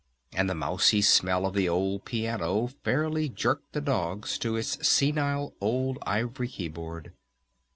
And the mousey smell of the old piano fairly jerked the dogs to its senile old ivory keyboard.